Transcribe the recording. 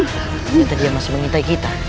kita dia masih mengintai kita